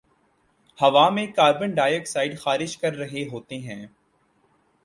ہوا میں carbon dioxide خارج کررہے ہوتے ہیں